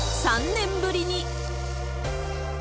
３年ぶりに。